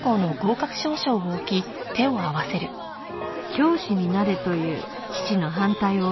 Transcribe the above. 教師になれという父の反対を押し切り